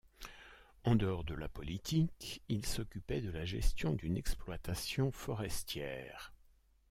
En dehors de la politique, il s'occupait de la gestion d'une exploitation forestière.